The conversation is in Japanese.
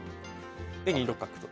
で２六角と。